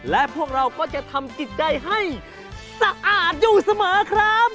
และพวกเราก็จะทำจิตใจให้สะอาดอยู่เสมอครับ